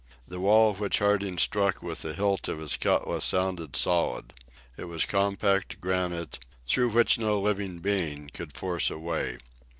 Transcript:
The wall which Harding struck with the hilt of his cutlass sounded solid. It was compact granite, through which no living being could force a way.